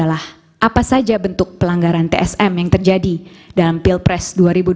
apa saja bentuk pelanggaran tsm yang terjadi dalam pilpres dua ribu dua puluh